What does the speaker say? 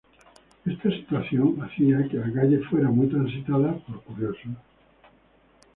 Esta situación hacía que la calle fuera muy transitada por curiosos.